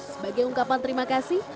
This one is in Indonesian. sebagai ungkapan terima kasih